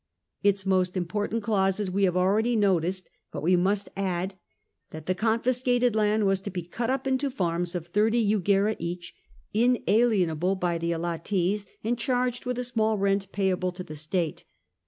Its most important clauses we have already noticed ; but we must add that the confiscated land was to be cut up into farms of thirty jugera each, inalienable by the allottees, and charged with a small rent payable to the state.